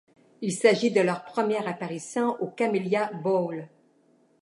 Il s'agit de leur première apparition au Camellia Bowl.